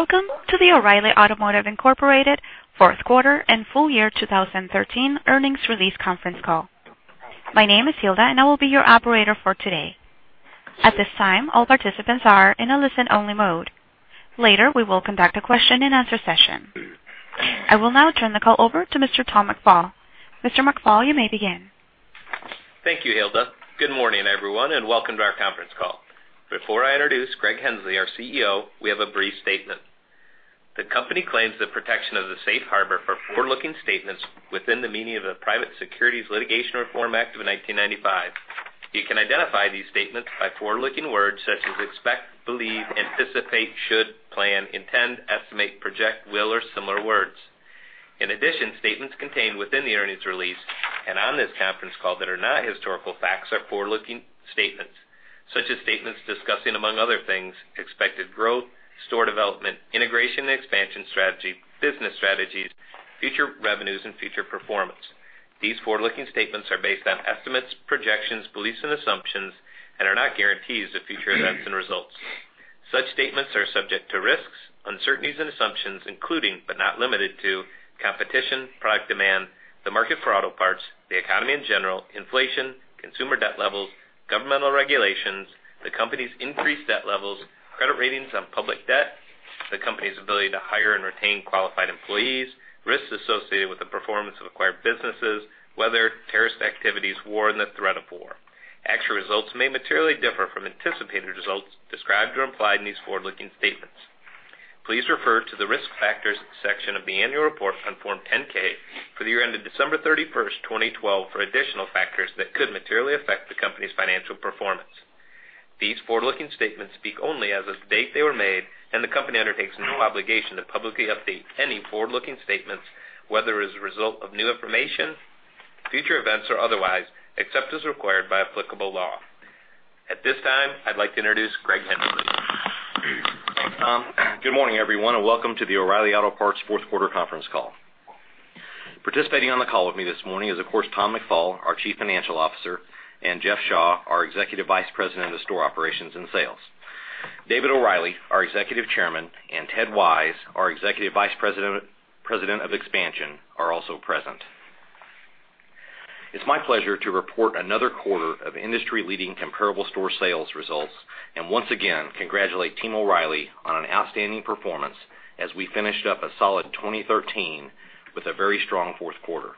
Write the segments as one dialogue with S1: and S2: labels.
S1: Welcome to the O'Reilly Automotive Incorporated fourth quarter and full year 2013 earnings release conference call. My name is Hilda and I will be your operator for today. At this time, all participants are in a listen-only mode. Later, we will conduct a question-and-answer session. I will now turn the call over to Mr. Tom McFall. Mr. McFall, you may begin.
S2: Thank you, Hilda. Good morning, everyone, and welcome to our conference call. Before I introduce Greg Henslee, our CEO, we have a brief statement. The company claims the protection of the safe harbor for forward-looking statements within the meaning of the Private Securities Litigation Reform Act of 1995. You can identify these statements by forward-looking words such as expect, believe, anticipate, should, plan, intend, estimate, project, will, or similar words. In addition, statements contained within the earnings release and on this conference call that are not historical facts are forward-looking statements, such as statements discussing, among other things, expected growth, store development, integration and expansion strategy, business strategies, future revenues, and future performance. These forward-looking statements are based on estimates, projections, beliefs, and assumptions, and are not guarantees of future events and results. Such statements are subject to risks, uncertainties, and assumptions, including, but not limited to, competition, product demand, the market for auto parts, the economy in general, inflation, consumer debt levels, governmental regulations, the company's increased debt levels, credit ratings on public debt, the company's ability to hire and retain qualified employees, risks associated with the performance of acquired businesses, weather, terrorist activities, war, and the threat of war. Actual results may materially differ from anticipated results described or implied in these forward-looking statements. Please refer to the Risk Factors section of the annual report on Form 10-K for the year ended December 31st, 2012, for additional factors that could materially affect the company's financial performance. These forward-looking statements speak only as of the date they were made, and the company undertakes no obligation to publicly update any forward-looking statements, whether as a result of new information, future events, or otherwise, except as required by applicable law. At this time, I'd like to introduce Greg Henslee.
S3: Good morning, everyone, and welcome to the O’Reilly Auto Parts fourth quarter conference call. Participating on the call with me this morning is, of course, Tom McFall, our Chief Financial Officer, and Jeff Shaw, our Executive Vice President of Store Operations and Sales. David O’Reilly, our Executive Chairman, and Ted Wise, our Executive Vice President of Expansion, are also present. It's my pleasure to report another quarter of industry-leading comparable store sales results and once again congratulate Team O’Reilly on an outstanding performance as we finished up a solid 2013 with a very strong fourth quarter.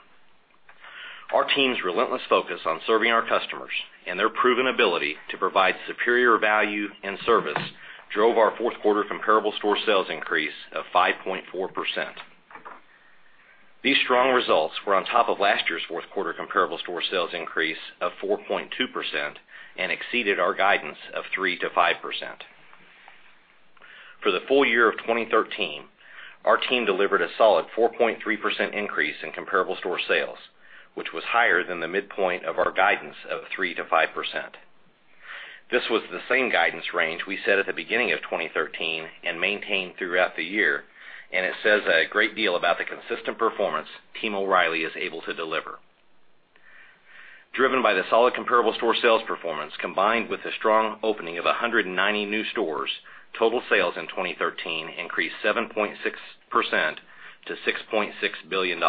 S3: Our team's relentless focus on serving our customers and their proven ability to provide superior value and service drove our fourth quarter comparable store sales increase of 5.4%. These strong results were on top of last year's fourth quarter comparable store sales increase of 4.2% and exceeded our guidance of 3%-5%. For the full year of 2013, our team delivered a solid 4.3% increase in comparable store sales, which was higher than the midpoint of our guidance of 3%-5%. This was the same guidance range we set at the beginning of 2013 and maintained throughout the year, and it says a great deal about the consistent performance Team O’Reilly is able to deliver. Driven by the solid comparable store sales performance, combined with the strong opening of 190 new stores, total sales in 2013 increased 7.6% to $6.6 billion.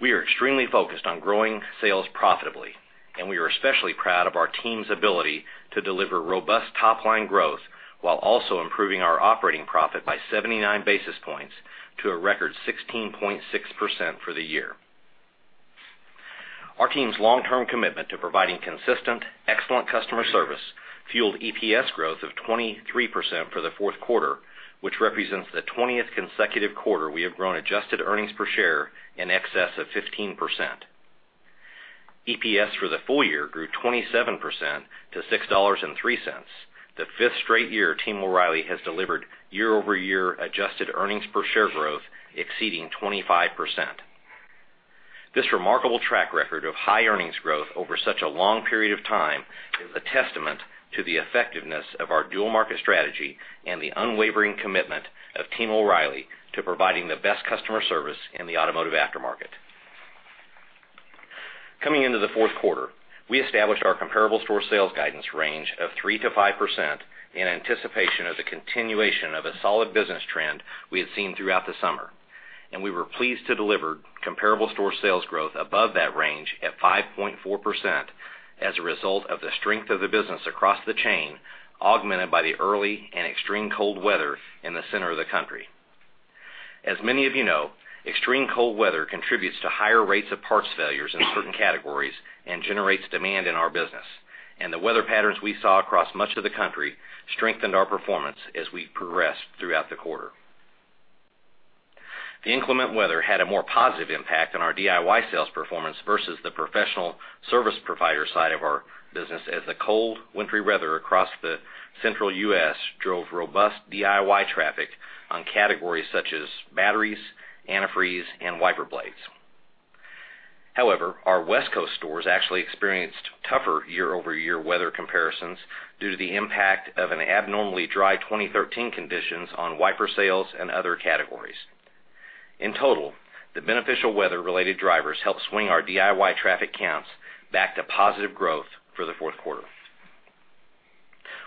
S3: We are extremely focused on growing sales profitably, and we are especially proud of our team's ability to deliver robust top-line growth while also improving our operating profit by 79 basis points to a record 16.6% for the year. Our team's long-term commitment to providing consistent excellent customer service fueled EPS growth of 23% for the fourth quarter, which represents the 20th consecutive quarter we have grown adjusted earnings per share in excess of 15%. EPS for the full year grew 27% to $6.03, the fifth straight year Team O’Reilly has delivered year-over-year adjusted earnings per share growth exceeding 25%. This remarkable track record of high earnings growth over such a long period of time is a testament to the effectiveness of our dual market strategy and the unwavering commitment of Team O’Reilly to providing the best customer service in the automotive aftermarket. Coming into the fourth quarter, we established our comparable store sales guidance range of 3%-5% in anticipation of the continuation of a solid business trend we had seen throughout the summer. We were pleased to deliver comparable store sales growth above that range at 5.4% as a result of the strength of the business across the chain, augmented by the early and extreme cold weather in the center of the country. As many of you know, extreme cold weather contributes to higher rates of parts failures in certain categories and generates demand in our business. The weather patterns we saw across much of the country strengthened our performance as we progressed throughout the quarter. The inclement weather had a more positive impact on our DIY sales performance versus the professional service provider side of our business, as the cold, wintry weather across the central U.S. drove robust DIY traffic on categories such as batteries, antifreeze, and wiper blades. However, our West Coast stores actually experienced tougher year-over-year weather comparisons due to the impact of abnormally dry 2013 conditions on wiper sales and other categories. In total, the beneficial weather-related drivers helped swing our DIY traffic counts back to positive growth for the fourth quarter.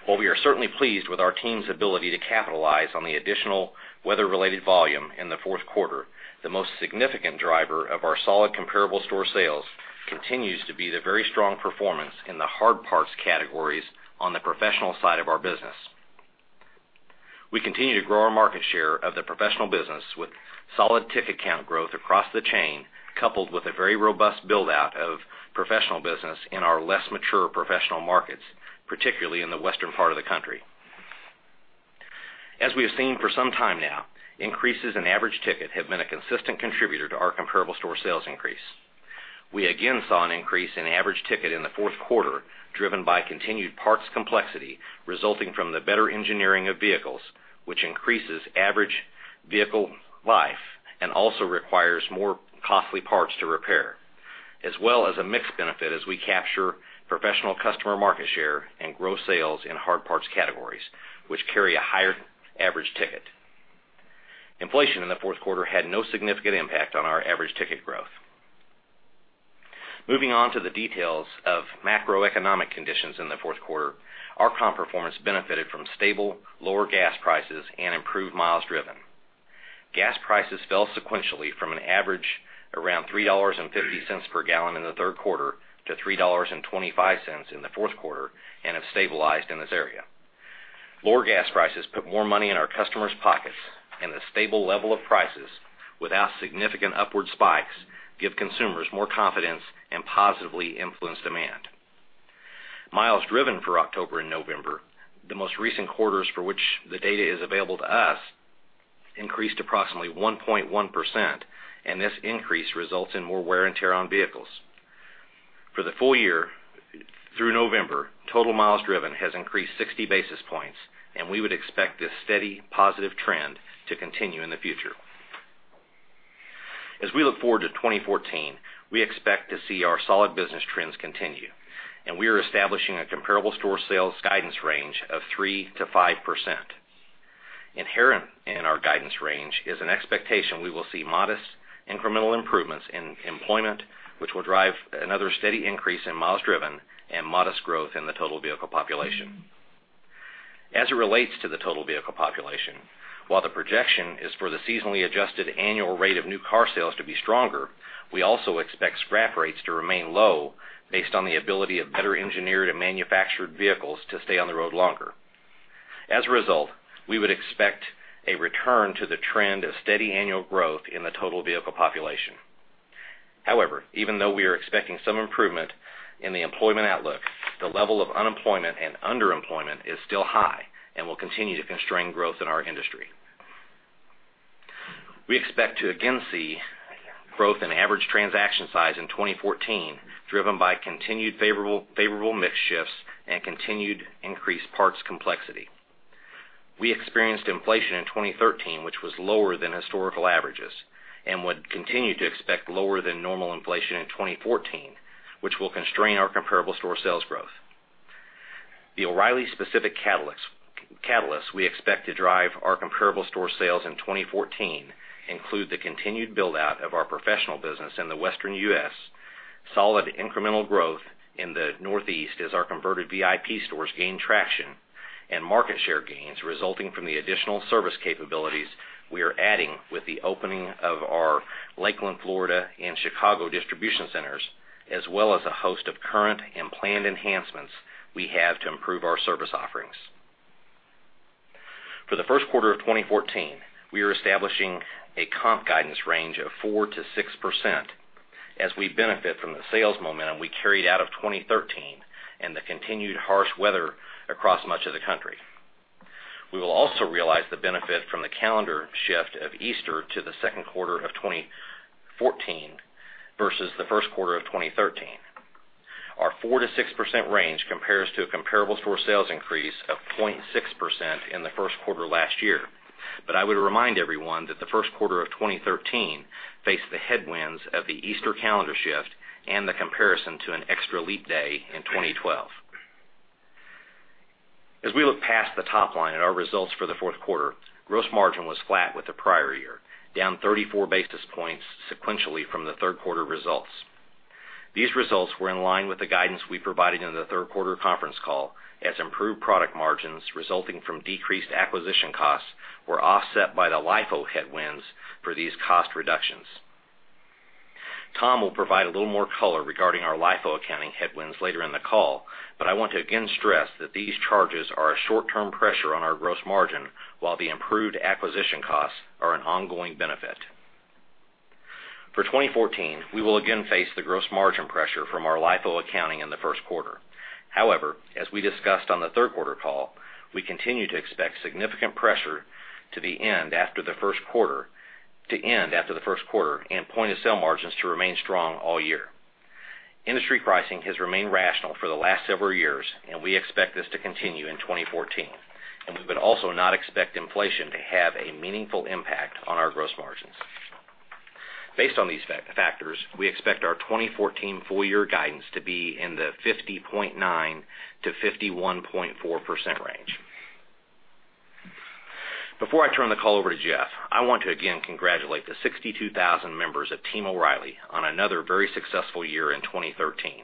S3: While we are certainly pleased with our team's ability to capitalize on the additional weather-related volume in the fourth quarter, the most significant driver of our solid comparable store sales continues to be the very strong performance in the hard parts categories on the professional side of our business. We continue to grow our market share of the professional business with solid ticket count growth across the chain, coupled with a very robust build-out of professional business in our less mature professional markets, particularly in the western part of the country. As we have seen for some time now, increases in average ticket have been a consistent contributor to our comparable store sales increase. We again saw an increase in average ticket in the fourth quarter, driven by continued parts complexity resulting from the better engineering of vehicles, which increases average vehicle life and also requires more costly parts to repair, as well as a mix benefit as we capture professional customer market share and grow sales in hard parts categories, which carry a higher average ticket. Inflation in the fourth quarter had no significant impact on our average ticket growth. Moving on to the details of macroeconomic conditions in the fourth quarter, our comp performance benefited from stable lower gas prices and improved miles driven. Gas prices fell sequentially from an average around $3.50 per gallon in the third quarter to $3.25 in the fourth quarter and have stabilized in this area. Lower gas prices put more money in our customers' pockets, and the stable level of prices without significant upward spikes give consumers more confidence and positively influence demand. Miles driven for October and November, the most recent quarters for which the data is available to us, increased approximately 1.1%, and this increase results in more wear and tear on vehicles. For the full year through November, total miles driven has increased 60 basis points, and we would expect this steady positive trend to continue in the future. As we look forward to 2014, we expect to see our solid business trends continue, and we are establishing a comparable store sales guidance range of 3%-5%. Inherent in our guidance range is an expectation we will see modest incremental improvements in employment, which will drive another steady increase in miles driven and modest growth in the total vehicle population. As it relates to the total vehicle population, while the projection is for the seasonally adjusted annual rate of new car sales to be stronger, we also expect scrap rates to remain low based on the ability of better engineered and manufactured vehicles to stay on the road longer. As a result, we would expect a return to the trend of steady annual growth in the total vehicle population. However, even though we are expecting some improvement in the employment outlook, the level of unemployment and underemployment is still high and will continue to constrain growth in our industry. We expect to again see growth in average transaction size in 2014, driven by continued favorable mix shifts and continued increased parts complexity. We experienced inflation in 2013, which was lower than historical averages and would continue to expect lower than normal inflation in 2014, which will constrain our comparable store sales growth. The O’Reilly specific catalysts we expect to drive our comparable store sales in 2014 include the continued build-out of our professional business in the Western U.S., solid incremental growth in the Northeast as our converted VIP stores gain traction, and market share gains resulting from the additional service capabilities we are adding with the opening of our Lakeland, Florida, and Chicago distribution centers, as well as a host of current and planned enhancements we have to improve our service offerings. For the first quarter of 2014, we are establishing a comp guidance range of 4%-6% as we benefit from the sales momentum we carried out of 2013 and the continued harsh weather across much of the country. We will also realize the benefit from the calendar shift of Easter to the second quarter of 2014 versus the first quarter of 2013. Our 4%-6% range compares to a comparable store sales increase of 0.6% in the first quarter last year. But I would remind everyone that the first quarter of 2013 faced the headwinds of the Easter calendar shift and the comparison to an extra leap day in 2012. As we look past the top line at our results for the fourth quarter, gross margin was flat with the prior year, down 34 basis points sequentially from the third quarter results. These results were in line with the guidance we provided in the third quarter conference call as improved product margins resulting from decreased acquisition costs were offset by the LIFO headwinds for these cost reductions. Tom will provide a little more color regarding our LIFO accounting headwinds later in the call, but I want to again stress that these charges are a short-term pressure on our gross margin while the improved acquisition costs are an ongoing benefit. For 2014, we will again face the gross margin pressure from our LIFO accounting in the first quarter. However, as we discussed on the third quarter call, we continue to expect significant pressure to end after the first quarter and point-of-sale margins to remain strong all year. Industry pricing has remained rational for the last several years, and we expect this to continue in 2014. We would also not expect inflation to have a meaningful impact on our gross margins. Based on these factors, we expect our 2014 full year guidance to be in the 50.9%-51.4% range. Before I turn the call over to Jeff, I want to again congratulate the 62,000 members of Team O’Reilly on another very successful year in 2013.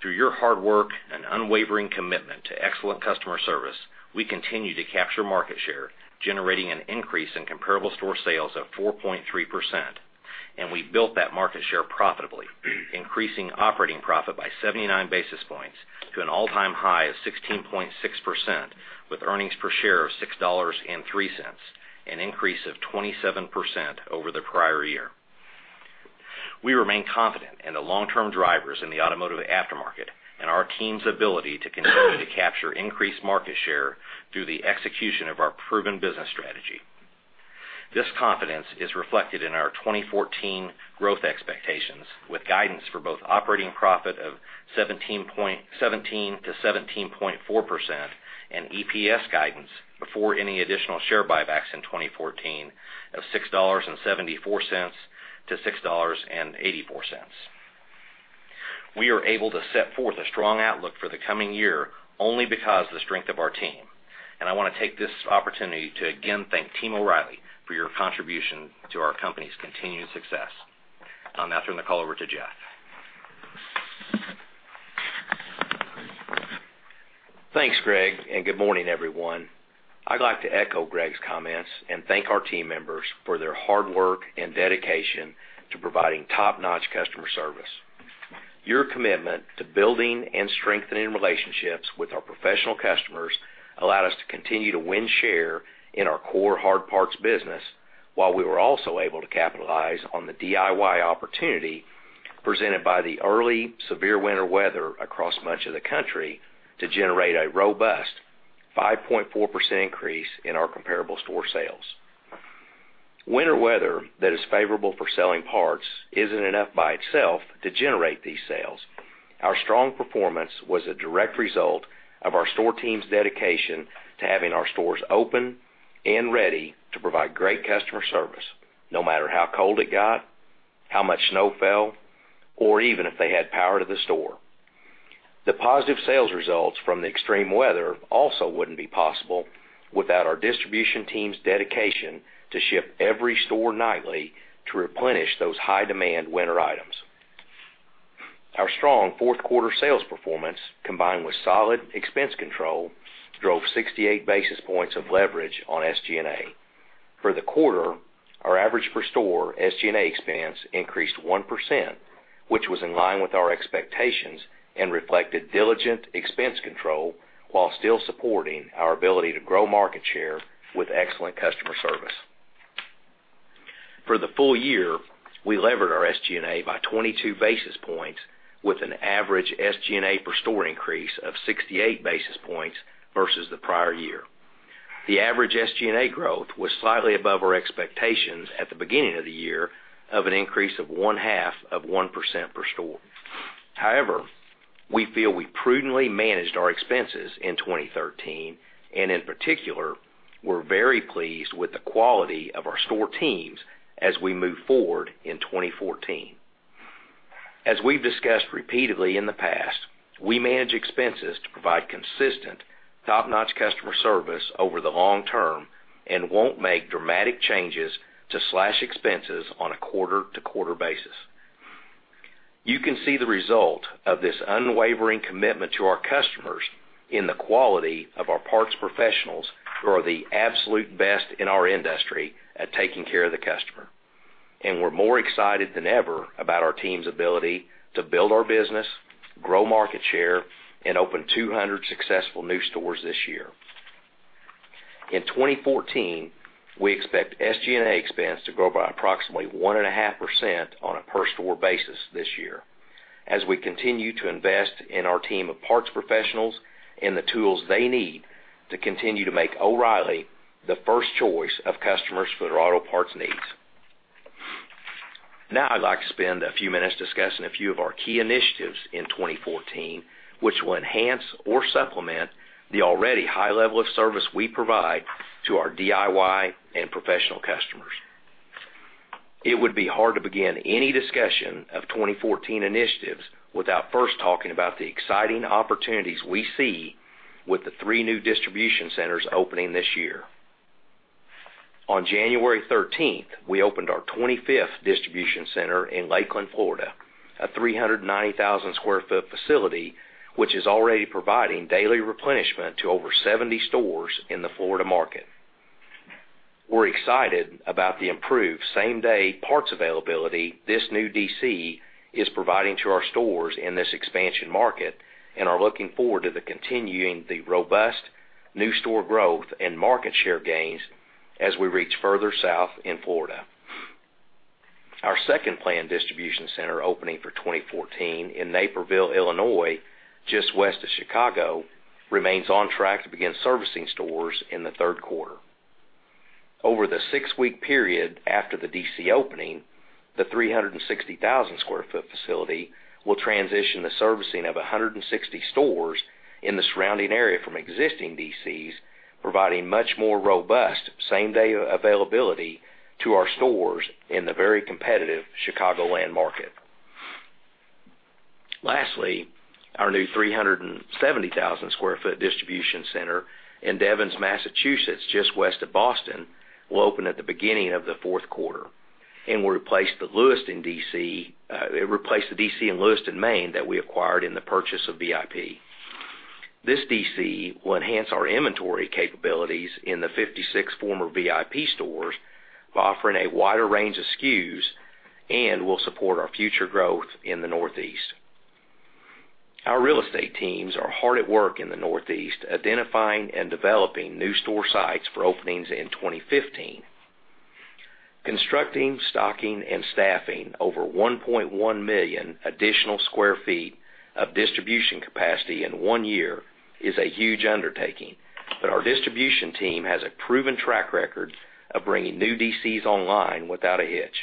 S3: Through your hard work and unwavering commitment to excellent customer service, we continue to capture market share, generating an increase in comparable store sales of 4.3%. We built that market share profitably, increasing operating profit by 79 basis points to an all-time high of 16.6%, with earnings per share of $6.03, an increase of 27% over the prior year. We remain confident in the long-term drivers in the automotive aftermarket and our team's ability to continue to capture increased market share through the execution of our proven business strategy. This confidence is reflected in our 2014 growth expectations, with guidance for both operating profit of 17%-17.4% and EPS guidance before any additional share buybacks in 2014 of $6.74-$6.84. We are able to set forth a strong outlook for the coming year only because of the strength of our team, and I want to take this opportunity to again thank Team O’Reilly for your contribution to our company’s continued success. I'll now turn the call over to Jeff.
S4: Thanks, Greg, good morning, everyone. I'd like to echo Greg's comments and thank our team members for their hard work and dedication to providing top-notch customer service. Your commitment to building and strengthening relationships with our professional customers allowed us to continue to win share in our core hard parts business, while we were also able to capitalize on the DIY opportunity presented by the early severe winter weather across much of the country to generate a robust 5.4% increase in our comparable store sales. Winter weather that is favorable for selling parts isn't enough by itself to generate these sales. Our strong performance was a direct result of our store team's dedication to having our stores open and ready to provide great customer service, no matter how cold it got, how much snow fell, or even if they had power to the store. The positive sales results from the extreme weather also wouldn't be possible without our distribution team's dedication to ship every store nightly to replenish those high-demand winter items. Our strong fourth quarter sales performance, combined with solid expense control, drove 68 basis points of leverage on SG&A. For the quarter, our average per store SG&A expense increased 1%, which was in line with our expectations and reflected diligent expense control while still supporting our ability to grow market share with excellent customer service. For the full year, we levered our SG&A by 22 basis points, with an average SG&A per store increase of 68 basis points versus the prior year. The average SG&A growth was slightly above our expectations at the beginning of the year of an increase of one-half of 1% per store. We feel we prudently managed our expenses in 2013. In particular, we're very pleased with the quality of our store teams as we move forward in 2014. As we've discussed repeatedly in the past, we manage expenses to provide consistent top-notch customer service over the long term and won't make dramatic changes to slash expenses on a quarter-to-quarter basis. You can see the result of this unwavering commitment to our customers in the quality of our parts professionals, who are the absolute best in our industry at taking care of the customer. We're more excited than ever about our team's ability to build our business, grow market share, and open 200 successful new stores this year. In 2014, we expect SG&A expense to grow by approximately 1.5% on a per store basis this year as we continue to invest in our team of parts professionals and the tools they need to continue to make O'Reilly the first choice of customers for their auto parts needs. I'd like to spend a few minutes discussing a few of our key initiatives in 2014, which will enhance or supplement the already high level of service we provide to our DIY and professional customers. It would be hard to begin any discussion of 2014 initiatives without first talking about the exciting opportunities we see with the three new distribution centers opening this year. On January 13th, we opened our 25th distribution center in Lakeland, Florida, a 390,000 sq ft facility, which is already providing daily replenishment to over 70 stores in the Florida market. We're excited about the improved same-day parts availability this new DC is providing to our stores in this expansion market and are looking forward to continuing the robust new store growth and market share gains as we reach further south in Florida. Our second planned distribution center opening for 2014 in Naperville, Illinois, just west of Chicago, remains on track to begin servicing stores in the third quarter. Over the six-week period after the DC opening, the 360,000 sq ft facility will transition the servicing of 160 stores in the surrounding area from existing DCs, providing much more robust same-day availability to our stores in the very competitive Chicagoland market. Our new 370,000 sq ft distribution center in Devens, Massachusetts, just west of Boston, will open at the beginning of the fourth quarter and will replace the DC in Lewiston, Maine, that we acquired in the purchase of VIP. This DC will enhance our inventory capabilities in the 56 former VIP stores by offering a wider range of SKUs and will support our future growth in the Northeast. Our real estate teams are hard at work in the Northeast, identifying and developing new store sites for openings in 2015. Constructing, stocking and staffing over 1.1 million additional sq ft of distribution capacity in one year is a huge undertaking, but our distribution team has a proven track record of bringing new DCs online without a hitch.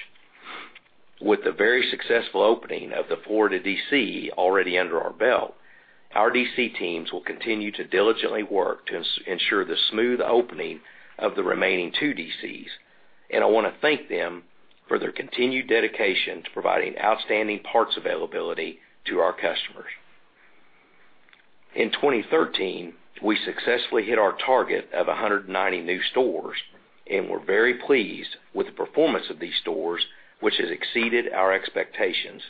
S4: With the very successful opening of the Florida DC already under our belt, our DC teams will continue to diligently work to ensure the smooth opening of the remaining two DCs. I want to thank them for their continued dedication to providing outstanding parts availability to our customers. In 2013, we successfully hit our target of 190 new stores. We're very pleased with the performance of these stores, which has exceeded our expectations.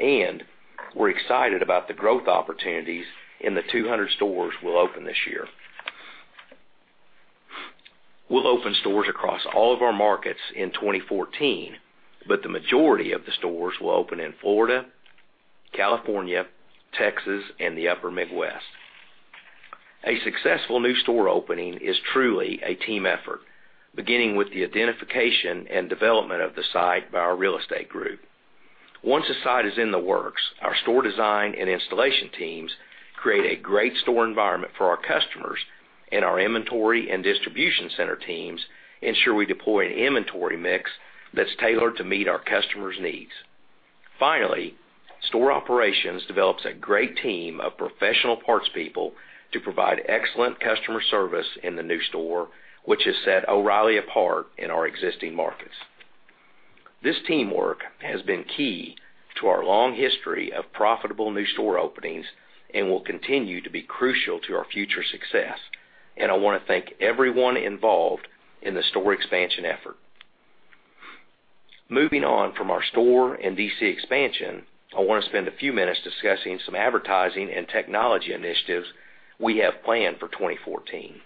S4: We're excited about the growth opportunities in the 200 stores we'll open this year. We'll open stores across all of our markets in 2014. The majority of the stores will open in Florida, California, Texas, and the upper Midwest. A successful new store opening is truly a team effort, beginning with the identification and development of the site by our real estate group. Once a site is in the works, our store design and installation teams create a great store environment for our customers, and our inventory and distribution center teams ensure we deploy an inventory mix that's tailored to meet our customers' needs. Finally, store operations develops a great team of professional parts people to provide excellent customer service in the new store, which has set O’Reilly apart in our existing markets. This teamwork has been key to our long history of profitable new store openings and will continue to be crucial to our future success. I want to thank everyone involved in the store expansion effort. Moving on from our store and DC expansion, I want to spend a few minutes discussing some advertising and technology initiatives we have planned for 2014.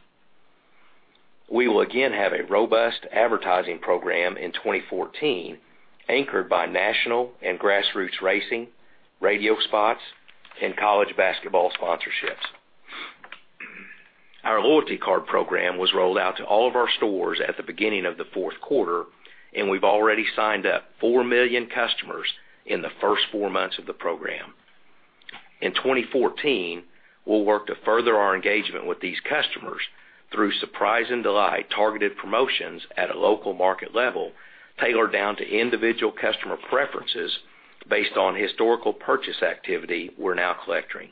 S4: We will again have a robust advertising program in 2014, anchored by national and grassroots racing, radio spots, and college basketball sponsorships. Our loyalty card program was rolled out to all of our stores at the beginning of the fourth quarter, and we've already signed up 4 million customers in the first four months of the program. In 2014, we'll work to further our engagement with these customers through surprise and delight targeted promotions at a local market level, tailored down to individual customer preferences based on historical purchase activity we're now collecting.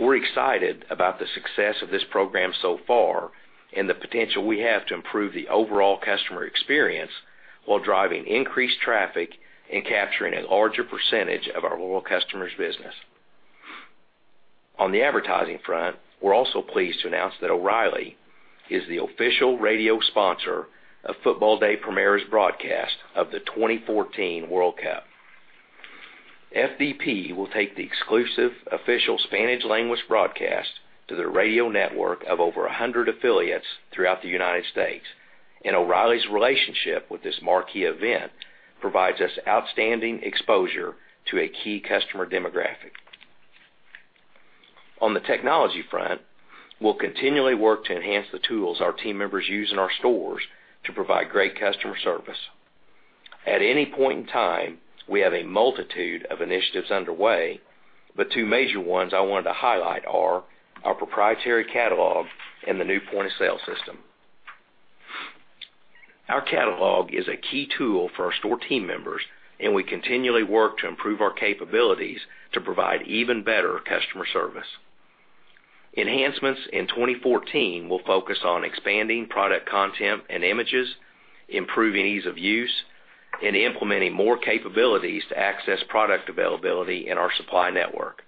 S4: We're excited about the success of this program so far and the potential we have to improve the overall customer experience while driving increased traffic and capturing a larger percentage of our loyal customers' business. On the advertising front, we're also pleased to announce that O’Reilly is the official radio sponsor of Fútbol de Primera's broadcast of the 2014 World Cup. FDP will take the exclusive official Spanish language broadcast to their radio network of over 100 affiliates throughout the U.S. O’Reilly's relationship with this marquee event provides us outstanding exposure to a key customer demographic. On the technology front, we'll continually work to enhance the tools our team members use in our stores to provide great customer service. At any point in time, we have a multitude of initiatives underway, but two major ones I wanted to highlight are our proprietary catalog and the new point-of-sale system. Our catalog is a key tool for our store team members, and we continually work to improve our capabilities to provide even better customer service. Enhancements in 2014 will focus on expanding product content and images, improving ease of use, and implementing more capabilities to access product availability in our supply network.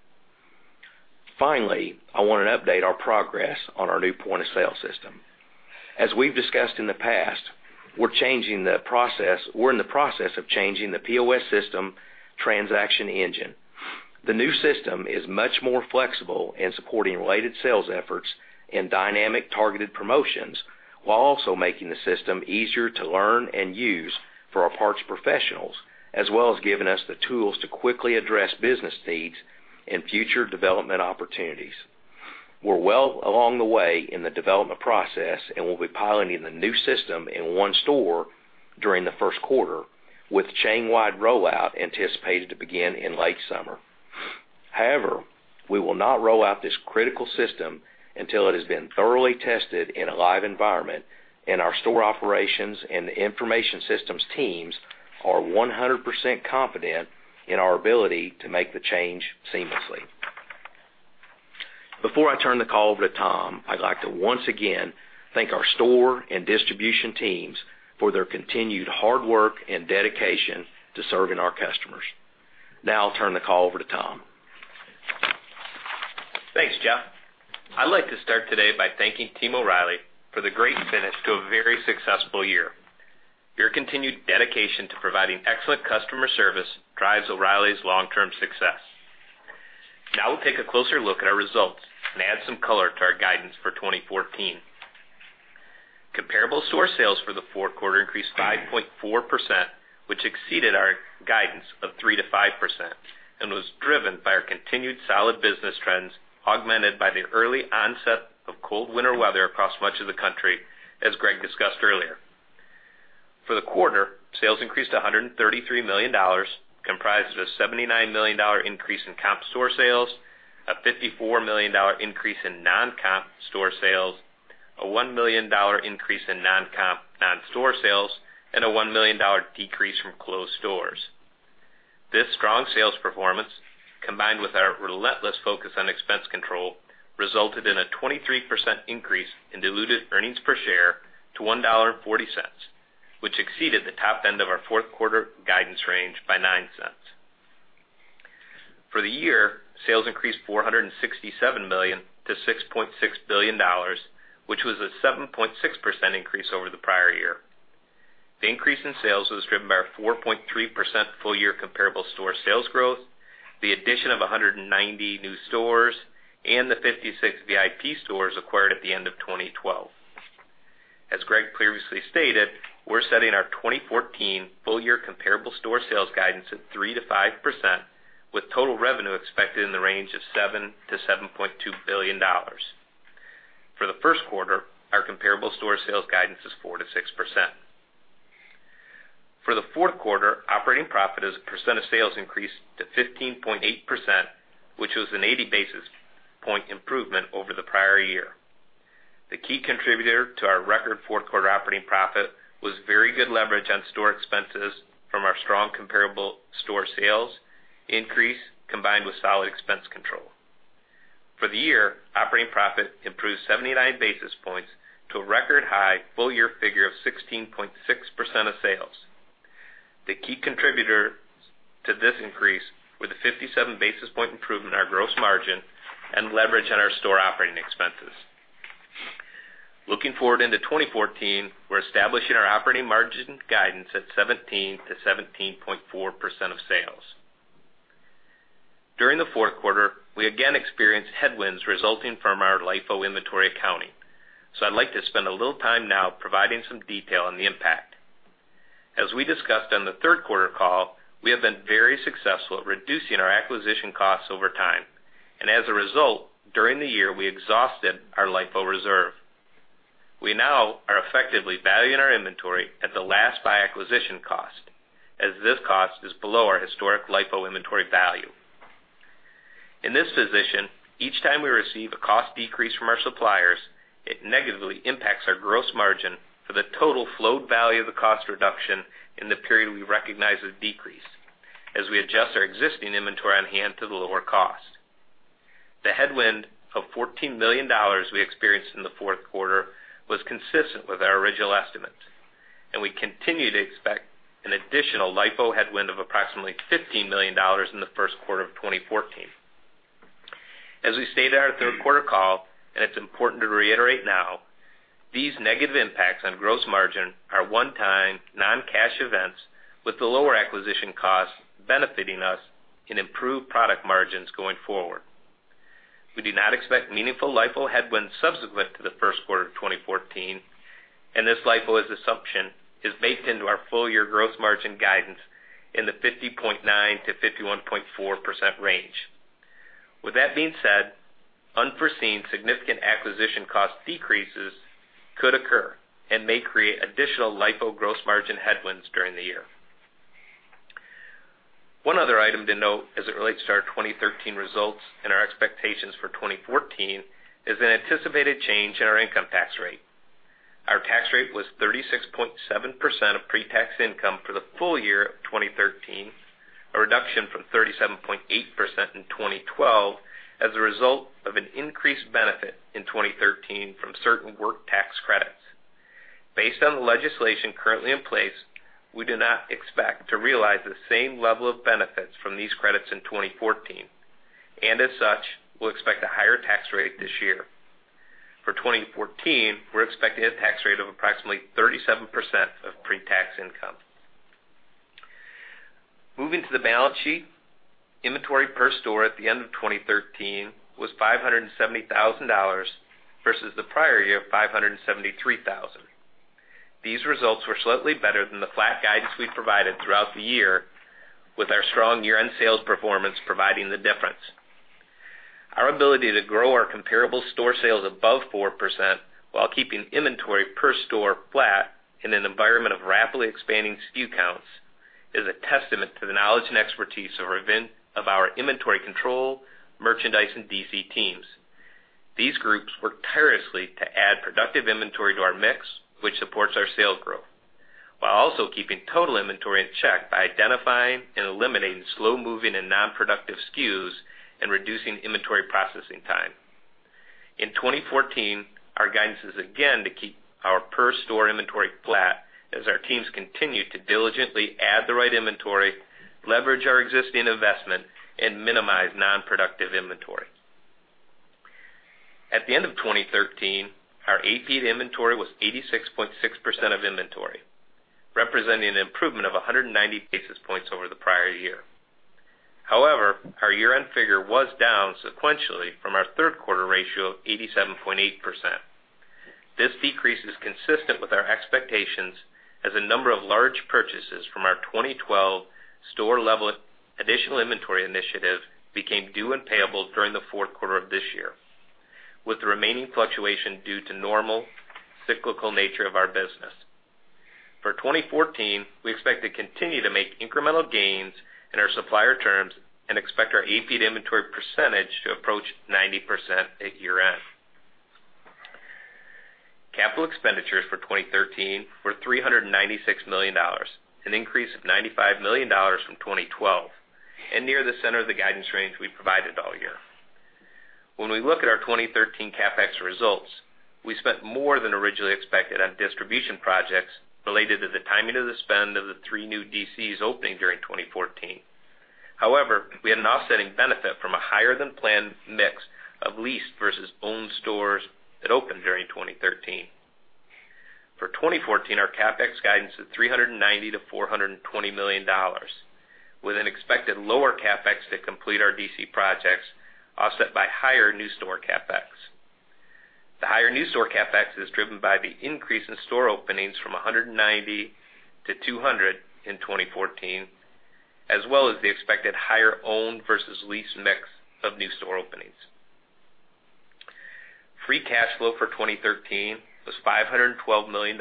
S4: Finally, I want to update our progress on our new point-of-sale system. As we've discussed in the past, we're in the process of changing the POS system transaction engine. The new system is much more flexible in supporting related sales efforts and dynamic targeted promotions, while also making the system easier to learn and use for our parts professionals, as well as giving us the tools to quickly address business needs and future development opportunities. We're well along the way in the development process, and we'll be piloting the new system in one store during the first quarter with chain-wide rollout anticipated to begin in late summer. We will not roll out this critical system until it has been thoroughly tested in a live environment and our store operations and the information systems teams are 100% confident in our ability to make the change seamlessly. Before I turn the call over to Tom, I'd like to once again thank our store and distribution teams for their continued hard work and dedication to serving our customers. I'll turn the call over to Tom.
S2: Thanks, Jeff. I'd like to start today by thanking Team O’Reilly for the great finish to a very successful year. Your continued dedication to providing excellent customer service drives O’Reilly’s long-term success. We’ll take a closer look at our results and add some color to our guidance for 2014. Comparable store sales for the fourth quarter increased 5.4%, which exceeded our guidance of 3%-5% and was driven by our continued solid business trends, augmented by the early onset of cold winter weather across much of the country, as Greg discussed earlier. For the quarter, sales increased to $133 million, comprised of a $79 million increase in comp store sales, a $54 million increase in non-comp store sales, a $1 million increase in non-comp non-store sales, and a $1 million decrease from closed stores. This strong sales performance, combined with our relentless focus on expense control, resulted in a 23% increase in diluted earnings per share to $1.40, which exceeded the top end of our fourth quarter guidance range by $0.09. For the year, sales increased $467 million to $6.6 billion, which was a 7.6% increase over the prior year. The increase in sales was driven by our 4.3% full-year comparable store sales growth, the addition of 190 new stores, and the 56 VIP stores acquired at the end of 2012. As Greg previously stated, we’re setting our 2014 full-year comparable store sales guidance at 3%-5%, with total revenue expected in the range of $7 billion-$7.2 billion. For the first quarter, our comparable store sales guidance is 4%-6%. For the fourth quarter, operating profit as a percent of sales increased to 15.8%, which was an 80-basis point improvement over the prior year. The key contributor to our record fourth quarter operating profit was very good leverage on store expenses from our strong comparable store sales increase, combined with solid expense control. For the year, operating profit improved 79 basis points to a record-high full-year figure of 16.6% of sales. The key contributors to this increase were the 57-basis point improvement in our gross margin and leverage on our store operating expenses. Looking forward into 2014, we’re establishing our operating margin guidance at 17%-17.4% of sales. During the fourth quarter, we again experienced headwinds resulting from our LIFO inventory accounting. I’d like to spend a little time now providing some detail on the impact. As we discussed on the third quarter call, we have been very successful at reducing our acquisition costs over time. As a result, during the year, we exhausted our LIFO reserve. We now are effectively valuing our inventory at the last buy acquisition cost, as this cost is below our historic LIFO inventory value. In this position, each time we receive a cost decrease from our suppliers, it negatively impacts our gross margin for the total flowed value of the cost reduction in the period we recognize the decrease, as we adjust our existing inventory on hand to the lower cost. The headwind of $14 million we experienced in the fourth quarter was consistent with our original estimates. We continue to expect an additional LIFO headwind of approximately $15 million in the first quarter of 2014. As we stated on our third quarter call, it’s important to reiterate now, these negative impacts on gross margin are one-time non-cash events with the lower acquisition costs benefiting us in improved product margins going forward. We do not expect meaningful LIFO headwinds subsequent to the first quarter of 2014. This LIFO assumption is baked into our full-year gross margin guidance in the 50.9%-51.4% range. With that being said, unforeseen significant acquisition cost decreases could occur and may create additional LIFO gross margin headwinds during the year. One other item to note as it relates to our 2013 results and our expectations for 2014 is an anticipated change in our income tax rate. Our tax rate was 36.7% of pre-tax income for the full year of 2013, a reduction from 37.8% in 2012 as a result of an increased benefit in 2013 from certain work tax credits. Based on the legislation currently in place, we do not expect to realize the same level of benefits from these credits in 2014. As such, we’ll expect a higher tax rate this year. For 2014, we’re expecting a tax rate of approximately 37% of pre-tax income. Moving to the balance sheet, inventory per store at the end of 2013 was $570,000 versus the prior year of $573,000. These results were slightly better than the flat guidance we provided throughout the year, with our strong year-end sales performance providing the difference. Our ability to grow our comparable store sales above 4% while keeping inventory per store flat in an environment of rapidly expanding SKU counts is a testament to the knowledge and expertise of our inventory control, merchandise, and DC teams. These groups work tirelessly to add productive inventory to our mix, which supports our sales growth, while also keeping total inventory in check by identifying and eliminating slow-moving and non-productive SKUs and reducing inventory processing time. In 2014, our guidance is again to keep our per store inventory flat as our teams continue to diligently add the right inventory, leverage our existing investment, and minimize non-productive inventory. At the end of 2013, our AP inventory was 86.6% of inventory, representing an improvement of 190 basis points over the prior year. However, our year-end figure was down sequentially from our third quarter ratio of 87.8%. This decrease is consistent with our expectations as a number of large purchases from our 2012 store level additional inventory initiative became due and payable during the fourth quarter of this year, with the remaining fluctuation due to normal cyclical nature of our business. For 2014, we expect to continue to make incremental gains in our supplier terms and expect our AP inventory % to approach 90% at year-end. Capital expenditures for 2013 were $396 million, an increase of $95 million from 2012 and near the center of the guidance range we provided all year. When we look at our 2013 CapEx results, we spent more than originally expected on distribution projects related to the timing of the spend of the 3 new DCs opening during 2014. However, we had an offsetting benefit from a higher-than-planned mix of leased versus owned stores that opened during 2013. For 2014, our CapEx guidance is $390 million-$420 million, with an expected lower CapEx to complete our DC projects, offset by higher new store CapEx. The higher new store CapEx is driven by the increase in store openings from 190-200 in 2014, as well as the expected higher owned versus leased mix of new store openings. Free cash flow for 2013 was $512 million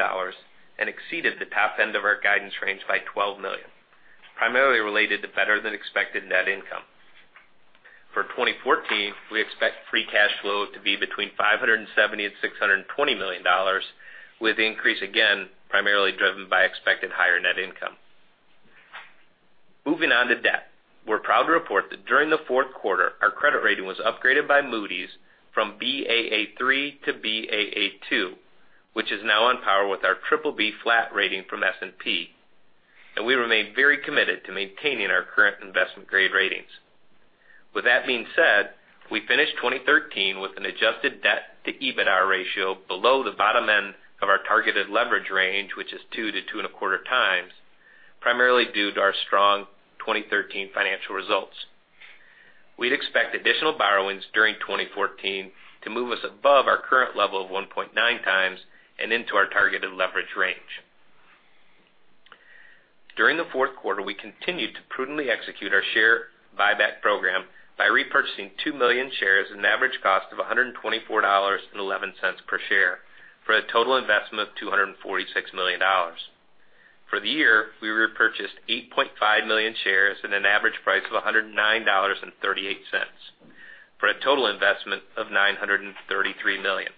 S2: and exceeded the top end of our guidance range by $12 million, primarily related to better-than-expected net income. For 2014, we expect free cash flow to be between $570 million and $620 million, with the increase again primarily driven by expected higher net income. Moving on to debt. We're proud to report that during the fourth quarter, our credit rating was upgraded by Moody's from Baa3 to Baa2, which is now on par with our triple B flat rating from S&P. We remain very committed to maintaining our current investment grade ratings. With that being said, we finished 2013 with an adjusted debt to EBITDA ratio below the bottom end of our targeted leverage range, which is 2 to 2.25 times, primarily due to our strong 2013 financial results. We'd expect additional borrowings during 2014 to move us above our current level of 1.9 times and into our targeted leverage range. During the fourth quarter, we continued to prudently execute our share buyback program by repurchasing 2 million shares at an average cost of $124.11 per share for a total investment of $246 million. For the year, we repurchased 8.5 million shares at an average price of $109.38 for a total investment of $933 million.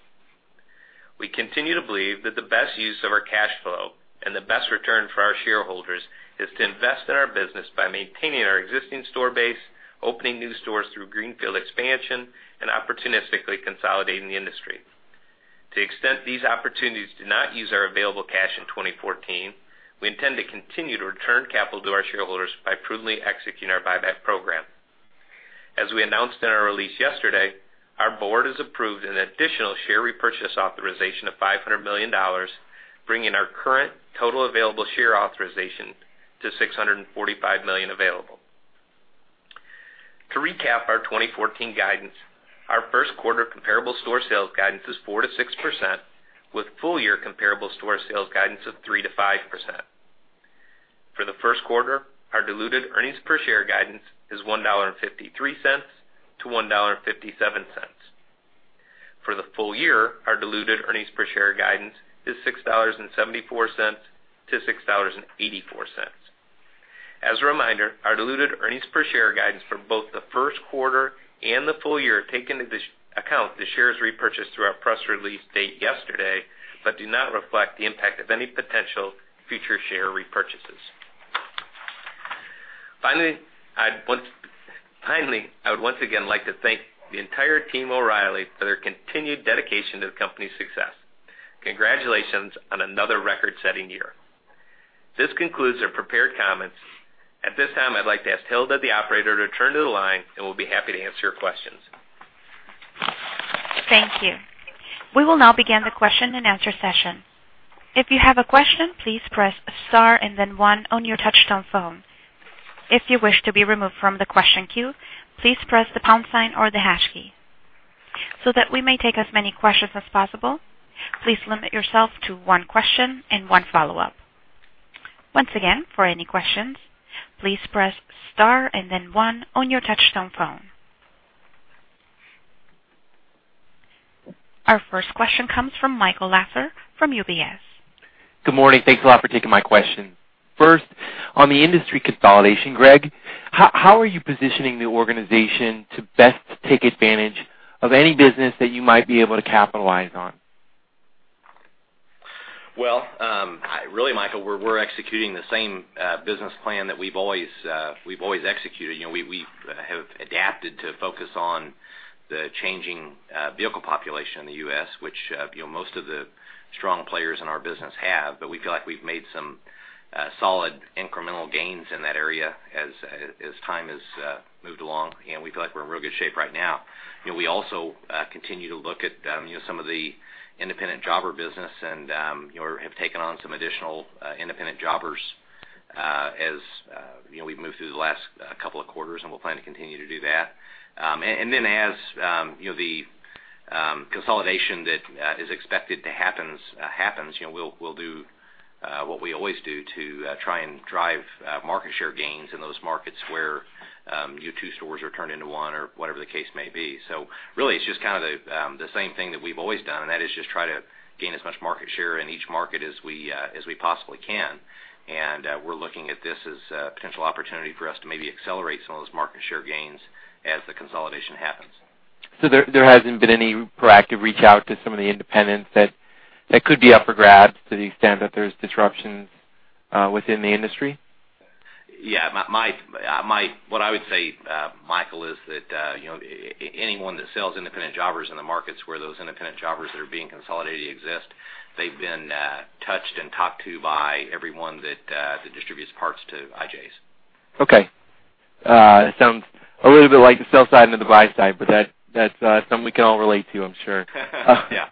S2: We continue to believe that the best use of our cash flow and the best return for our shareholders is to invest in our business by maintaining our existing store base, opening new stores through greenfield expansion, and opportunistically consolidating the industry. To the extent these opportunities do not use our available cash in 2014, we intend to continue to return capital to our shareholders by prudently executing our buyback program. As we announced in our release yesterday, our board has approved an additional share repurchase authorization of $500 million, bringing our current total available share authorization to $645 million available. To recap our 2014 guidance, our first quarter comparable store sales guidance is 4%-6% with full year comparable store sales guidance of 3%-5%. For the first quarter, our diluted earnings per share guidance is $1.53-$1.57. For the full year, our diluted earnings per share guidance is $6.74-$6.84. As a reminder, our diluted earnings per share guidance for both the first quarter and the full year take into account the shares repurchased through our press release date yesterday, but do not reflect the impact of any potential future share repurchases. Finally, I would once again like to thank the entire Team O’Reilly for their continued dedication to the company's success. Congratulations on another record-setting year. This concludes our prepared comments. At this time, I'd like to ask Hilda, the operator, to turn to the line, and we'll be happy to answer your questions.
S1: Thank you. We will now begin the question and answer session. If you have a question, please press star and then one on your touchtone phone. If you wish to be removed from the question queue, please press the pound sign or the hash key. That we may take as many questions as possible, please limit yourself to one question and one follow-up. Once again, for any questions, please press star and then one on your touchtone phone. Our first question comes from Michael Lasser from UBS.
S5: Good morning. Thanks a lot for taking my question. First On the industry consolidation, Greg, how are you positioning the organization to best take advantage of any business that you might be able to capitalize on?
S3: Well, really, Michael, we're executing the same business plan that we've always executed. We have adapted to focus on the changing vehicle population in the U.S., which most of the strong players in our business have, but we feel like we've made some solid incremental gains in that area as time has moved along, and we feel like we're in real good shape right now. We also continue to look at some of the independent jobber business and have taken on some additional independent jobbers as we've moved through the last couple of quarters, and we'll plan to continue to do that. As the consolidation that is expected to happen happens, we'll do what we always do to try and drive market share gains in those markets where 2 stores are turned into 1 or whatever the case may be. Really, it's just the same thing that we've always done, and that is just try to gain as much market share in each market as we possibly can. We're looking at this as a potential opportunity for us to maybe accelerate some of those market share gains as the consolidation happens.
S5: There hasn't been any proactive reach out to some of the independents that could be up for grabs to the extent that there's disruptions within the industry?
S3: Yeah. What I would say, Michael, is that anyone that sells independent jobbers in the markets where those independent jobbers that are being consolidated exist, they've been touched and talked to by everyone that distributes parts to IJs.
S5: Okay. Sounds a little bit like the sell side and the buy side, That's something we can all relate to, I'm sure.
S3: Yeah.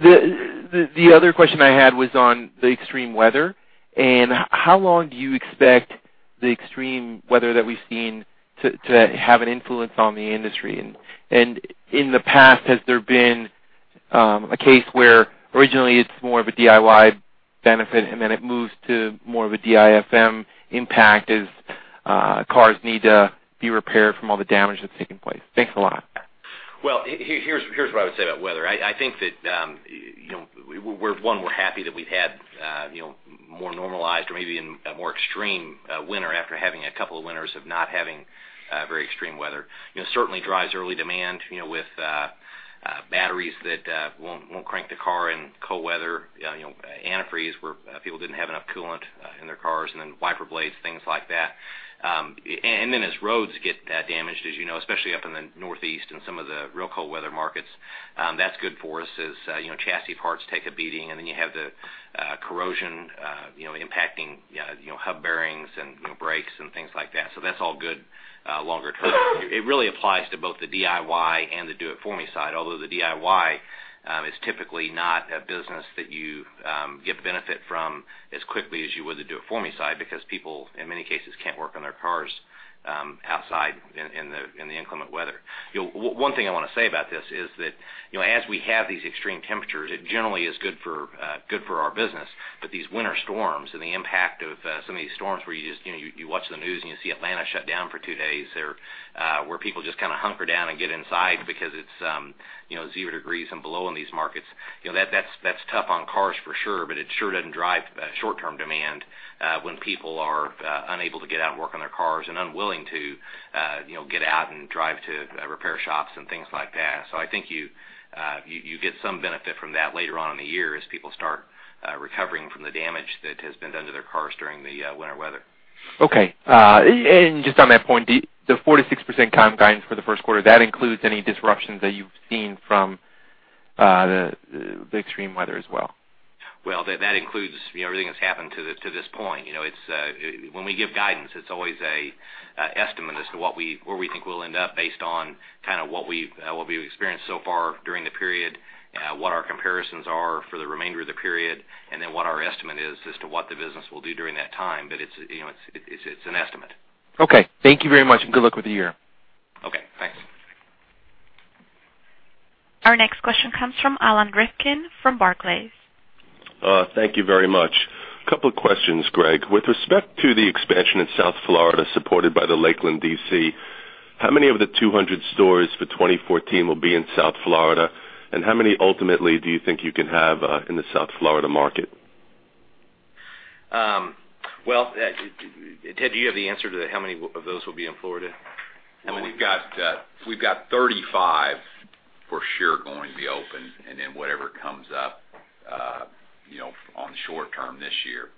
S5: The other question I had was on the extreme weather. How long do you expect the extreme weather that we've seen to have an influence on the industry? In the past, has there been a case where originally it's more of a DIY benefit and then it moves to more of a DIFM impact as cars need to be repaired from all the damage that's taken place? Thanks a lot.
S3: Here's what I would say about weather. I think that, one, we're happy that we've had more normalized or maybe even a more extreme winter after having a couple of winters of not having very extreme weather. Certainly drives early demand, with batteries that won't crank the car in cold weather, antifreeze where people didn't have enough coolant in their cars, then wiper blades, things like that. Then as roads get damaged, as you know, especially up in the Northeast and some of the real cold weather markets, that's good for us as chassis parts take a beating, and then you have the corrosion impacting hub bearings and brakes and things like that. That's all good longer term. It really applies to both the DIY and the Do It For Me side, although the DIY is typically not a business that you get benefit from as quickly as you would the Do It For Me side because people, in many cases, can't work on their cars outside in the inclement weather. One thing I want to say about this is that as we have these extreme temperatures, it generally is good for our business. These winter storms and the impact of some of these storms where you watch the news and you see Atlanta shut down for two days, where people just kind of hunker down and get inside because it's zero degrees and below in these markets, that's tough on cars for sure, it sure doesn't drive short-term demand when people are unable to get out and work on their cars and unwilling to get out and drive to repair shops and things like that. I think you get some benefit from that later on in the year as people start recovering from the damage that has been done to their cars during the winter weather.
S5: Okay. Just on that point, the 46% comp guidance for the first quarter, that includes any disruptions that you've seen from the extreme weather as well?
S3: Well, that includes everything that's happened to this point. When we give guidance, it's always an estimate as to where we think we'll end up based on what we've experienced so far during the period, what our comparisons are for the remainder of the period, and then what our estimate is as to what the business will do during that time. It's an estimate.
S5: Okay. Thank you very much, and good luck with the year.
S3: Okay. Thanks.
S1: Our next question comes from Alan Rifkin from Barclays.
S6: Thank you very much. Couple of questions, Greg. With respect to the expansion in South Florida supported by the Lakeland DC, how many of the 200 stores for 2014 will be in South Florida, and how many ultimately do you think you can have in the South Florida market?
S3: Well, Ted, do you have the answer to how many of those will be in Florida?
S7: We've got 35 for sure going to be open, and then whatever comes up on the short term this year.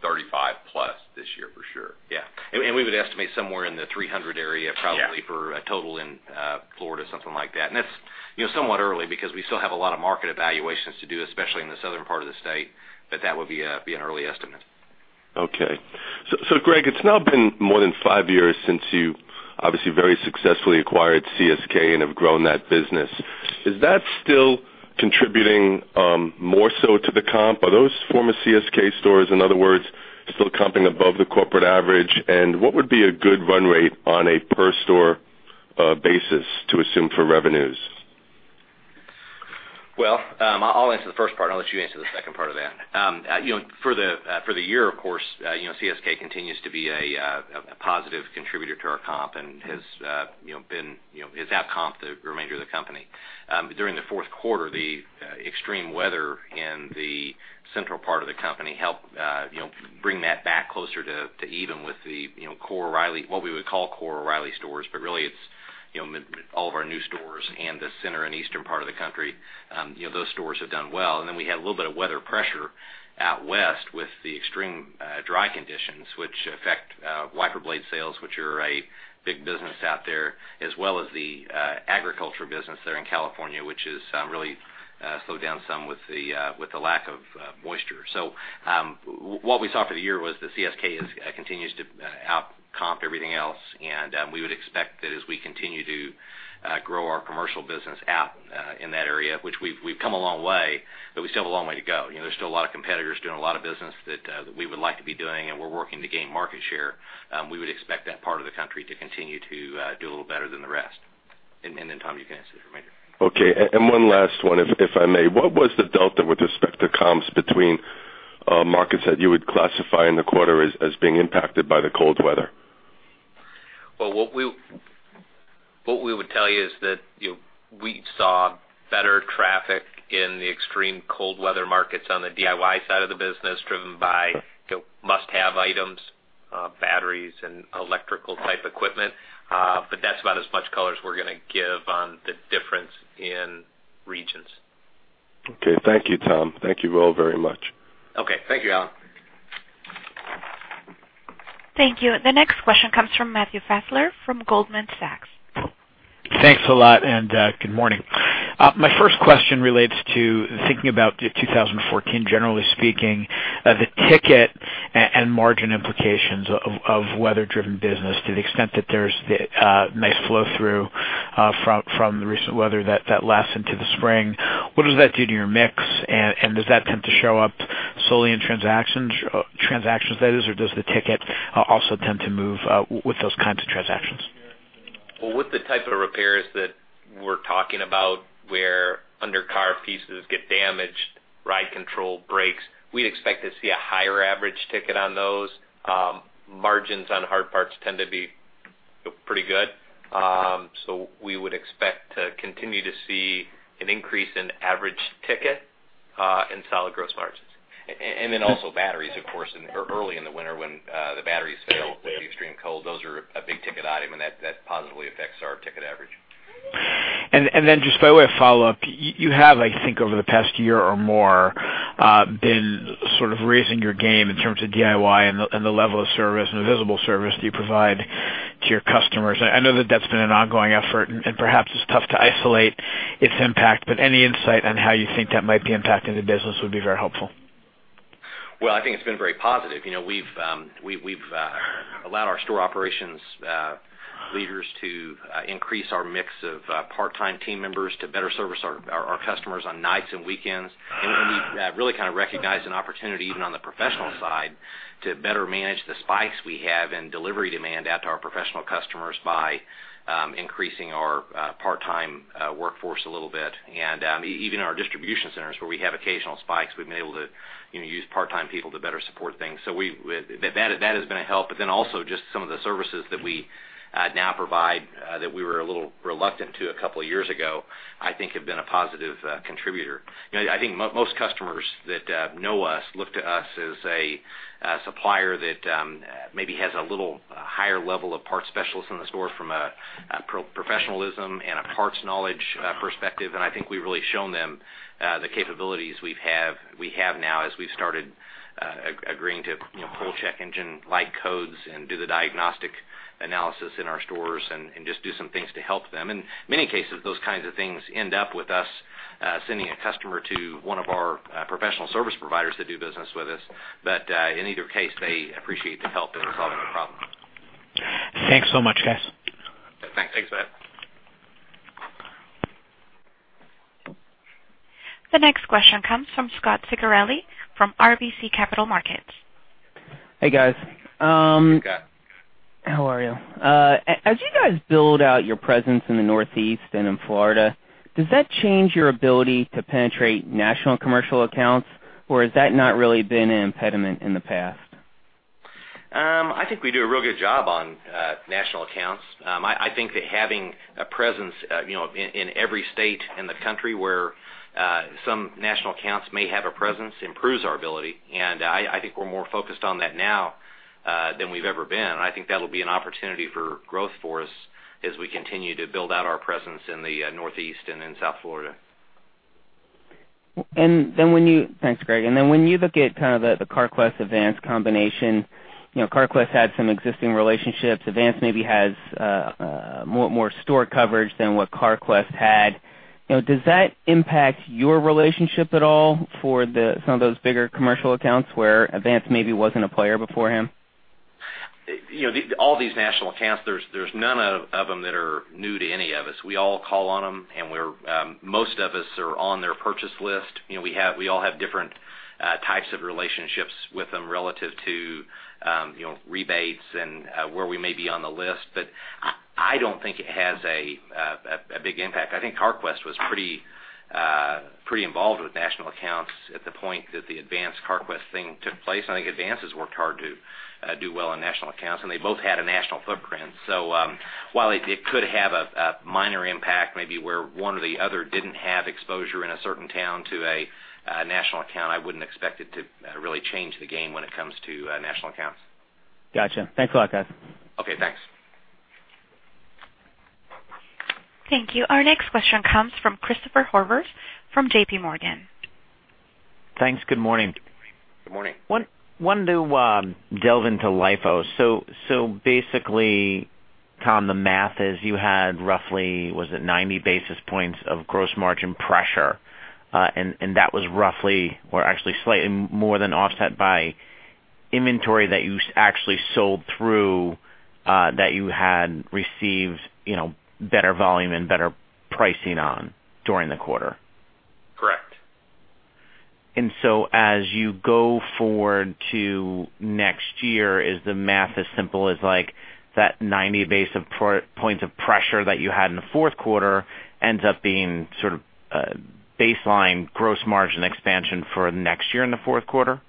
S7: 35 plus this year for sure.
S3: Yeah. We would estimate somewhere in the 300 area probably.
S7: Yeah
S3: For a total in Florida, something like that. That's somewhat early because we still have a lot of market evaluations to do, especially in the southern part of the state. That would be an early estimate.
S6: Okay. Greg, it's now been more than five years since you obviously very successfully acquired CSK and have grown that business. Is that still contributing more so to the comp? Are those former CSK stores, in other words, still comping above the corporate average? What would be a good run rate on a per store basis to assume for revenues?
S3: I'll answer the first part, I'll let you answer the second part of that. For the year, of course, CSK continues to be a positive contributor to our comp and has out-comped the remainder of the company. During the fourth quarter, the extreme weather in the central part of the company helped bring that back closer to even with what we would call core O'Reilly stores. Really it's all of our new stores and the center and eastern part of the country. Those stores have done well. Then we had a little bit of weather pressure out west with the extreme dry conditions, which affect wiper blade sales, which are a big business out there, as well as the agriculture business there in California, which has really slowed down some with the lack of moisture. What we saw for the year was that CSK continues to out-comp everything else. We would expect that as we continue to grow our commercial business out in that area, which we've come a long way, we still have a long way to go. There's still a lot of competitors doing a lot of business that we would like to be doing. We're working to gain market share. We would expect that part of the country to continue to do a little better than the rest. Then Tom, you can answer the remainder.
S6: Okay. One last one, if I may. What was the delta with respect to comps between markets that you would classify in the quarter as being impacted by the cold weather?
S3: Well, what we would tell you is that we saw better traffic in the extreme cold weather markets on the DIY side of the business, driven by must-have items, batteries and electrical type equipment. That's about as much color as we're going to give on the difference in regions.
S6: Okay. Thank you, Tom. Thank you both very much.
S3: Okay. Thank you, Alan.
S1: Thank you. The next question comes from Matthew Fessler from Goldman Sachs.
S8: Thanks a lot, and good morning. My first question relates to thinking about 2014, generally speaking, the ticket and margin implications of weather-driven business to the extent that there's nice flow-through from the recent weather that lasts into the spring. What does that do to your mix, and does that tend to show up solely in transactions, that is, or does the ticket also tend to move with those kinds of transactions?
S3: With the type of repairs that we're talking about where undercar pieces get damaged, ride control, brakes, we'd expect to see a higher average ticket on those. Margins on hard parts tend to be pretty good. We would expect to continue to see an increase in average ticket and solid gross margins. Also batteries, of course, early in the winter when the batteries fail with the extreme cold, those are a big-ticket item, and that positively affects our ticket average.
S8: Just by way of follow-up, you have, I think, over the past year or more, been sort of raising your game in terms of DIY and the level of service and the visible service that you provide to your customers. I know that's been an ongoing effort, and perhaps it's tough to isolate its impact, any insight on how you think that might be impacting the business would be very helpful.
S3: Well, I think it's been very positive. We've allowed our store operations leaders to increase our mix of part-time team members to better service our customers on nights and weekends. We've really kind of recognized an opportunity even on the professional side to better manage the spikes we have in delivery demand out to our professional customers by increasing our part-time workforce a little bit. Even our distribution centers, where we have occasional spikes, we've been able to use part-time people to better support things. That has been a help. Also just some of the services that we now provide that we were a little reluctant to a couple of years ago, I think have been a positive contributor. I think most customers that know us look to us as a supplier that maybe has a little higher level of parts specialists in the store from a professionalism and a parts knowledge perspective, and I think we've really shown them the capabilities we have now as we've started agreeing to pull check engine light codes and do the diagnostic analysis in our stores and just do some things to help them. In many cases, those kinds of things end up with us sending a customer to one of our professional service providers that do business with us. In either case, they appreciate the help in solving a problem.
S8: Thanks so much, guys.
S3: Thanks. Thanks.
S1: The next question comes from Scot Ciccarelli from RBC Capital Markets.
S9: Hey, guys.
S3: Hey, Scot.
S9: How are you? As you guys build out your presence in the Northeast and in Florida, does that change your ability to penetrate national commercial accounts, or has that not really been an impediment in the past?
S3: I think we do a real good job on national accounts. I think that having a presence in every state in the country where some national accounts may have a presence improves our ability, I think we're more focused on that now than we've ever been. I think that'll be an opportunity for growth for us as we continue to build out our presence in the Northeast and in South Florida.
S9: Thanks, Greg. When you look at kind of the Carquest-Advance combination, Carquest had some existing relationships. Advance maybe has more store coverage than what Carquest had. Does that impact your relationship at all for some of those bigger commercial accounts where Advance maybe wasn't a player beforehand?
S3: All these national accounts, there's none of them that are new to any of us. We all call on them, and most of us are on their purchase list. We all have different types of relationships with them relative to rebates and where we may be on the list. I don't think it has a big impact. I think Carquest was pretty involved with national accounts at the point that the Advance-Carquest thing took place. I think Advance has worked hard to do well on national accounts, and they both had a national footprint. While it could have a
S2: Minor impact maybe where one or the other didn't have exposure in a certain town to a national account. I wouldn't expect it to really change the game when it comes to national accounts.
S9: Got you. Thanks a lot, guys.
S2: Okay, thanks.
S1: Thank you. Our next question comes from Christopher Horvers from JPMorgan.
S10: Thanks. Good morning.
S3: Good morning.
S10: Wanted to delve into LIFO. Basically, Tom, the math is you had roughly, was it 90 basis points of gross margin pressure? That was roughly or actually slightly more than offset by inventory that you actually sold through, that you had received better volume and better pricing on during the quarter.
S2: Correct.
S10: Is the math as simple as like that 90 basis points of pressure that you had in the fourth quarter ends up being sort of baseline gross margin expansion for next year in the fourth quarter?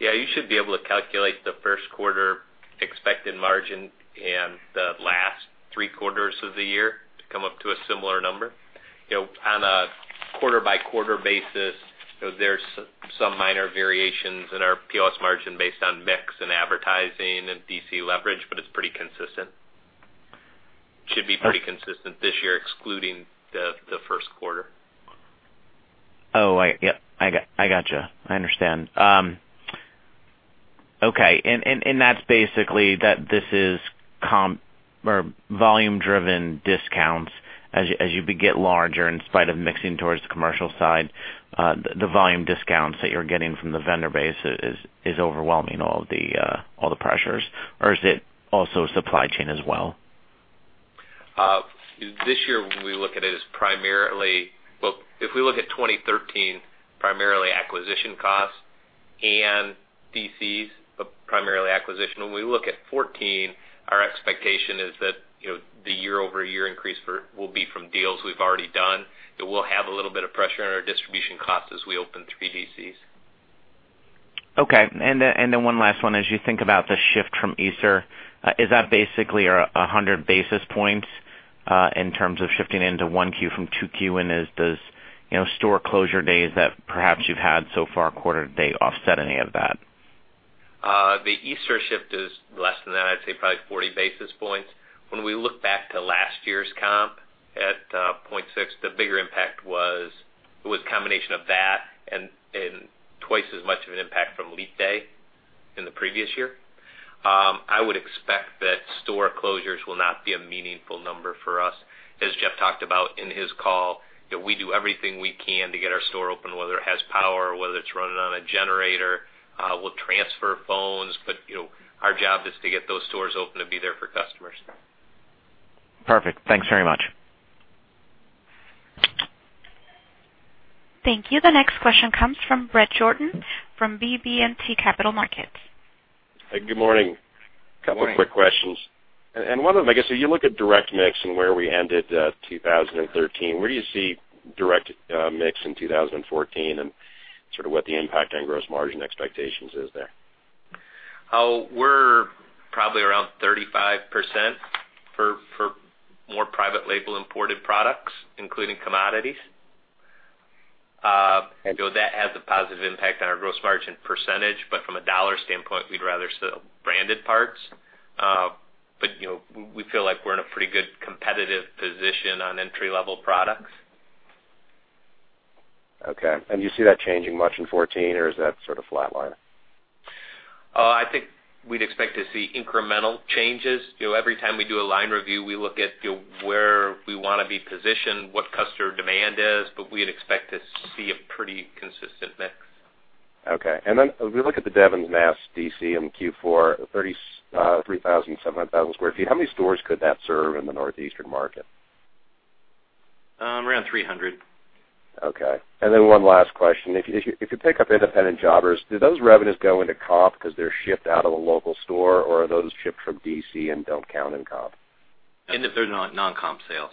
S2: Yeah, you should be able to calculate the first quarter expected margin and the last three quarters of the year to come up to a similar number. On a quarter-by-quarter basis, there's some minor variations in our POS margin based on mix and advertising and DC leverage, but it's pretty consistent. Should be pretty consistent this year excluding the first quarter.
S10: Oh, right. Yep, I got you. I understand. Okay. That's basically that this is comp or volume-driven discounts as you get larger in spite of mixing towards the commercial side, the volume discounts that you're getting from the vendor base is overwhelming all the pressures. Is it also supply chain as well?
S2: This year, when we look at it, well, if we look at 2013, primarily acquisition costs and DCs, but primarily acquisition. When we look at 2014, our expectation is that the year-over-year increase will be from deals we've already done, that we'll have a little bit of pressure on our distribution costs as we open 3 DCs.
S10: Okay, one last one. As you think about the shift from Easter, is that basically 100 basis points in terms of shifting into 1Q from 2Q? Does store closure days that perhaps you've had so far quarter to date offset any of that?
S2: The Easter shift is less than that. I'd say probably 40 basis points. When we look back to last year's comp at 0.6, the bigger impact was a combination of that and twice as much of an impact from leap day in the previous year. I would expect that store closures will not be a meaningful number for us. As Jeff talked about in his call, we do everything we can to get our store open, whether it has power or whether it's running on a generator. We'll transfer phones, but our job is to get those stores open and be there for customers.
S10: Perfect. Thanks very much.
S1: Thank you. The next question comes from Bret Jordan, from BB&T Capital Markets.
S11: Good morning.
S3: Morning.
S11: Couple of quick questions. One of them, I guess, you look at direct mix and where we ended 2013, where do you see direct mix in 2014 and sort of what the impact on gross margin expectations is there?
S2: We're probably around 35% for more private label imported products, including commodities.
S11: Okay.
S2: That has a positive impact on our gross margin percentage, from a dollar standpoint, we'd rather sell branded parts. We feel like we're in a pretty good competitive position on entry-level products.
S11: Okay. Do you see that changing much in 2014, or is that sort of flatlining?
S2: I think we'd expect to see incremental changes. Every time we do a line review, we look at where we want to be positioned, what customer demand is, but we'd expect to see a pretty consistent mix.
S11: Okay. If we look at the Devens, Mass DC in Q4, 3,700 sq ft, how many stores could that serve in the Northeastern market?
S2: Around 300.
S11: Okay. One last question. If you pick up independent jobbers, do those revenues go into comp because they're shipped out of a local store, or are those shipped from DC and don't count in comp?
S2: If they're non-comp sales.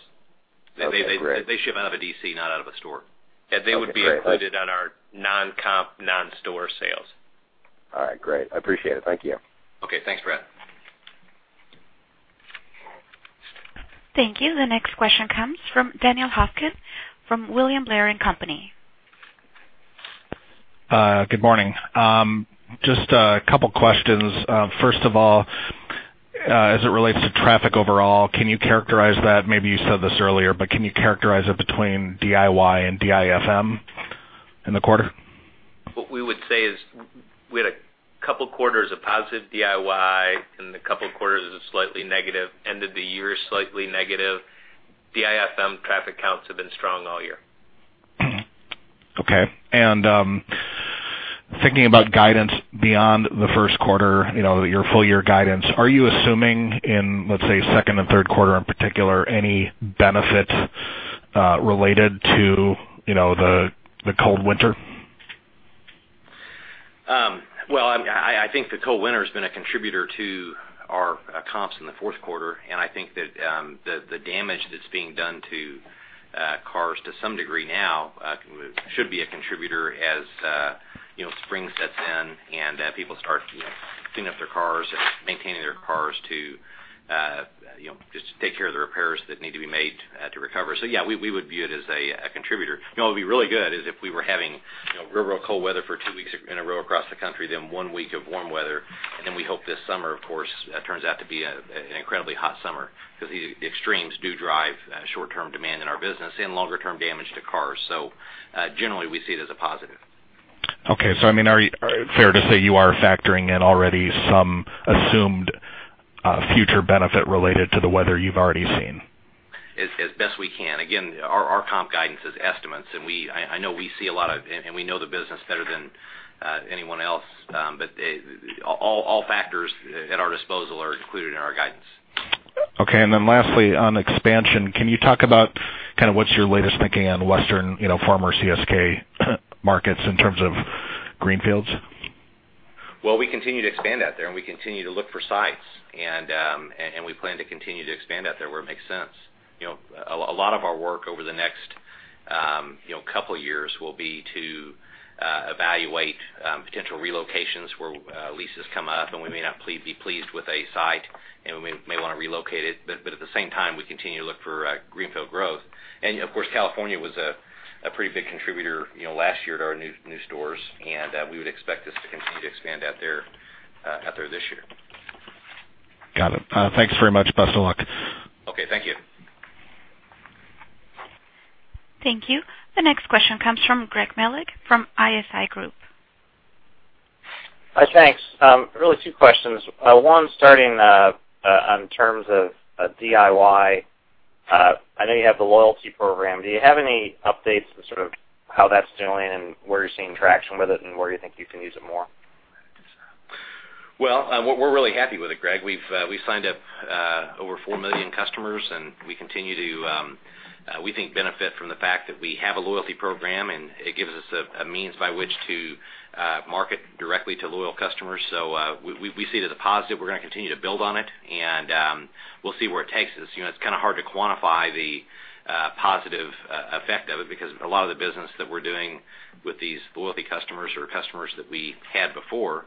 S11: Okay, great.
S2: They ship out of a DC, not out of a store.
S11: Okay, great.
S2: They would be included on our non-comp, non-store sales.
S11: All right, great. I appreciate it. Thank you.
S2: Okay. Thanks, Bret.
S1: Thank you. The next question comes from Daniel Hofkin, from William Blair & Co.
S12: Good morning. Just a couple questions. First of all, as it relates to traffic overall, can you characterize that? Maybe you said this earlier, but can you characterize it between DIY and DIFM in the quarter?
S3: What we would say is we had a couple quarters of positive DIY and a couple quarters of slightly negative. End of the year is slightly negative. DIFM traffic counts have been strong all year.
S12: Thinking about guidance beyond the first quarter, your full-year guidance, are you assuming in, let's say, second and third quarter in particular, any benefit related to the cold winter?
S2: Well, I think the cold winter has been a contributor to our comps in the fourth quarter, and I think that the damage that's being done to
S3: Cars to some degree now should be a contributor as spring sets in and people start to clean up their cars and maintaining their cars to just take care of the repairs that need to be made to recover. Yeah, we would view it as a contributor. What would be really good is if we were having real cold weather for two weeks in a row across the country, then one week of warm weather, and then we hope this summer, of course, turns out to be an incredibly hot summer, because the extremes do drive short-term demand in our business and longer-term damage to cars. Generally, we see it as a positive.
S12: Okay. I mean, is it fair to say you are factoring in already some assumed future benefit related to the weather you've already seen?
S3: As best we can. Again, our comp guidance is estimates, and I know we see a lot of it, and we know the business better than anyone else. All factors at our disposal are included in our guidance.
S12: Okay. Lastly, on expansion, can you talk about what's your latest thinking on Western former CSK markets in terms of greenfields?
S3: Well, we continue to expand out there, we continue to look for sites. We plan to continue to expand out there where it makes sense. A lot of our work over the next couple of years will be to evaluate potential relocations where leases come up and we may not be pleased with a site and we may want to relocate it. At the same time, we continue to look for greenfield growth. Of course, California was a pretty big contributor last year to our new stores, and we would expect this to continue to expand out there this year.
S12: Got it. Thanks very much. Best of luck.
S3: Okay, thank you.
S1: Thank you. The next question comes from Gregory Melich from ISI Group.
S13: Hi, thanks. Really two questions. One, starting on terms of DIY. I know you have the loyalty program. Do you have any updates to sort of how that's doing and where you're seeing traction with it and where you think you can use it more?
S3: Well, we're really happy with it, Greg. We've signed up over 4 million customers, and we continue to, we think, benefit from the fact that we have a loyalty program and it gives us a means by which to market directly to loyal customers. We see it as a positive. We're going to continue to build on it, and we'll see where it takes us. It's kind of hard to quantify the positive effect of it because a lot of the business that we're doing with these loyalty customers are customers that we had before.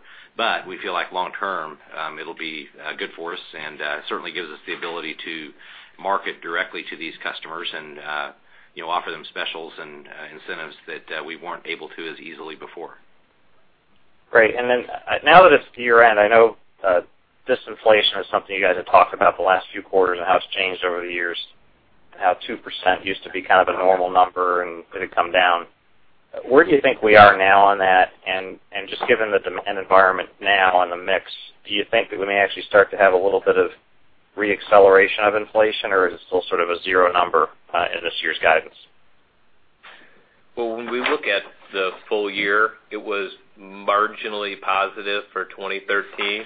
S3: We feel like long term, it'll be good for us and certainly gives us the ability to market directly to these customers and offer them specials and incentives that we weren't able to as easily before.
S13: Great. Now that it's year-end, I know disinflation is something you guys have talked about the last few quarters and how it's changed over the years and how 2% used to be kind of a normal number and it had come down. Where do you think we are now on that? Just given the environment now and the mix, do you think that we may actually start to have a little bit of re-acceleration of inflation, or is it still sort of a zero number in this year's guidance?
S3: Well, when we look at the full year, it was marginally positive for 2013.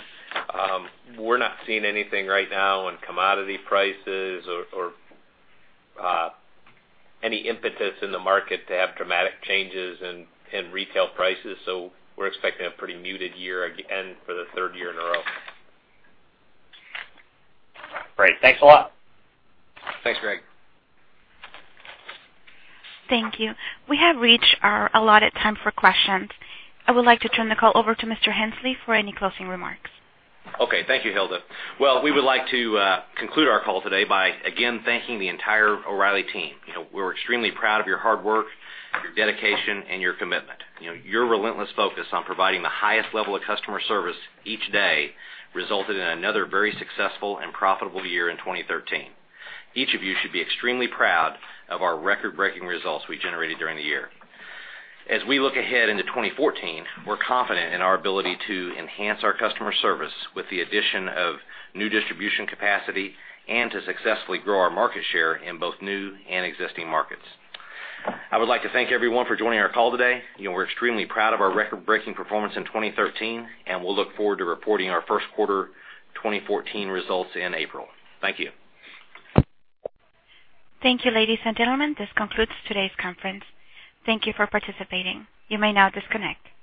S3: We're not seeing anything right now on commodity prices or any impetus in the market to have dramatic changes in retail prices. We're expecting a pretty muted year again for the third year in a row.
S13: Great. Thanks a lot.
S3: Thanks, Greg.
S1: Thank you. We have reached our allotted time for questions. I would like to turn the call over to Mr. Henslee for any closing remarks.
S3: Thank you, Hilda. We would like to conclude our call today by, again, thanking the entire O’Reilly team. We're extremely proud of your hard work, your dedication, and your commitment. Your relentless focus on providing the highest level of customer service each day resulted in another very successful and profitable year in 2013. Each of you should be extremely proud of our record-breaking results we generated during the year. As we look ahead into 2014, we're confident in our ability to enhance our customer service with the addition of new distribution capacity and to successfully grow our market share in both new and existing markets. I would like to thank everyone for joining our call today. We're extremely proud of our record-breaking performance in 2013, and we'll look forward to reporting our first quarter 2014 results in April. Thank you.
S1: Thank you, ladies and gentlemen. This concludes today's conference. Thank you for participating. You may now disconnect.